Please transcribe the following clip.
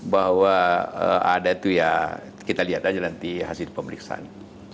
bahwa ada itu ya kita lihat aja nanti hasil pemeriksaan